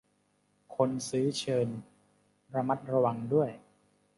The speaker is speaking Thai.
คนซื้อเชิญระมัดระวังด้วย